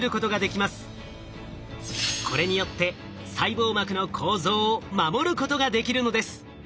これによって細胞膜の構造を守ることができるのです。